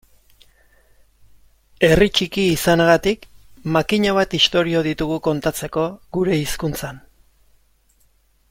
Herri txiki izanagatik makina bat istorio ditugu kontatzeko gure hizkuntzan.